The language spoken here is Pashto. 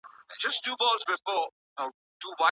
د هغې د مهر هغه پاته برخه ورکول کيږي.